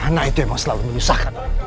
nah itu yang selalu menyusahkan